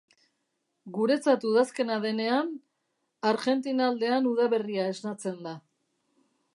Guretzat udazkena denean, Argentina aldean udaberria esnatzen da.